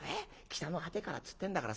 北の果てからつってんだからさ」。